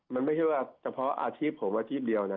มันไม่ใช่ว่าเฉพาะอาทิตย์ผมอาทิตย์เดียวนะ